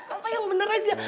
papa yang bener aja